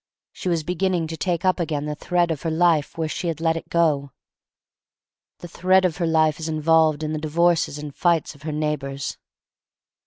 She was beginning to take up again the thread of her life where she had let it go. The thread of her life is involved ih the divorces and fights of her neighbors.